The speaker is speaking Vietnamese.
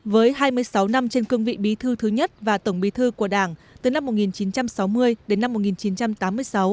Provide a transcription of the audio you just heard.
với hai mươi sáu năm trên cương vị bí thư thứ nhất và tổng bí thư của đảng từ năm một nghìn chín trăm sáu mươi đến năm một nghìn chín trăm tám mươi sáu